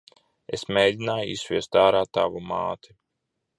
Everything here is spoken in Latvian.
Es mēgināju izsviest ārā tavu māti.